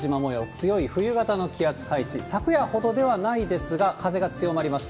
強い冬型の気圧配置、昨夜ほどではないですが、風が強まります。